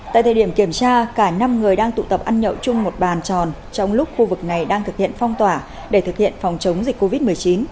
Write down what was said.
tại thời điểm kiểm tra cả năm người đang tụ tập ăn nhậu chung một bàn tròn trong lúc khu vực này đang thực hiện phong tỏa để thực hiện phòng chống dịch covid một mươi chín